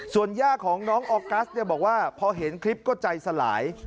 ส่วนย่าของน้องออกัสบอกว่าพอเห็นคลิปก็ใจสลาย